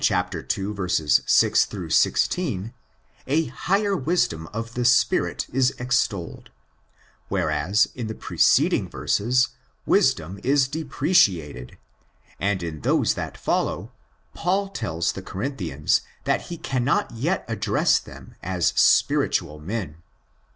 6 16 a higher wisdom of the Spirit is extolled; whereas in the preceding verses '' wisdom'"' is depreciated, and in those that follow Paul tells the Corinthians that he cannot yet address them as '' spiritual"? men.